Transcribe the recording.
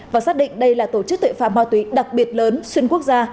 và xác định đây là tổ chức tội phạm ma túy đặc biệt lớn xuyên quốc gia